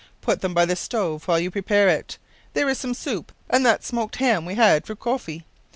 Put them by the stove while you prepare it. There is some soup and that smoked ham we had for koffy.